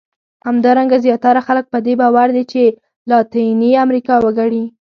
همدارنګه زیاتره خلک په دې باور دي چې لاتیني امریکا وګړي.